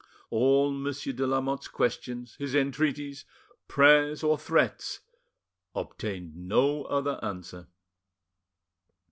All Monsieur de Lamotte's questions, his entreaties, prayers, or threats, obtained no other answer.